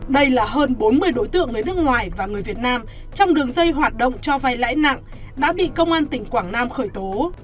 đây là hơn bốn mươi đối tượng người nước ngoài và người việt nam trong đường dây hoạt động cho vay lãi nặng đã bị công an tỉnh quảng nam khởi tố